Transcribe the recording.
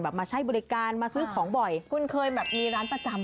พ่อค้ารอแม่ค้าสวม